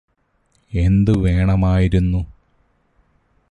എന്തു വേണമായിരുന്നു